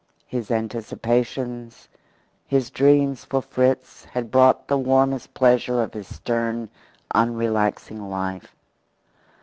His anticipations, his dreams for Fritz, had brought the warmest pleasure of his stern, unrelaxing life.